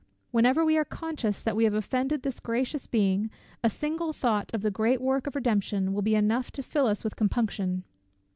Whenever we are conscious that we have offended this gracious Being, a single thought of the great work of Redemption will be enough to fill us with compunction.